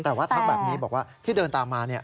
แต่ว่าทักแบบนี้บอกว่าที่เดินตามมา